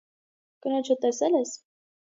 Կնոջը տեսե՞լ ես: